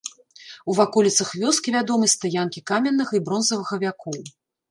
У ваколіцах вёскі вядомы стаянкі каменнага і бронзавага вякоў.